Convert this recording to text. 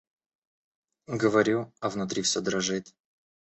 Говорю, а внутри все дрожит.